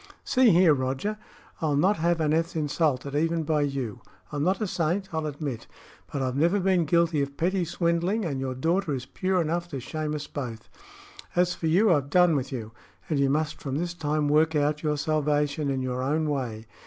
"See here, Roger; I will not have Aneth insulted, even by you. I'm not a saint, I'll admit; but I've never been guilty of petty swindling, and your daughter is pure enough to shame us both. As for you, I've done with you, and you must from this time work out your salvation in your own way.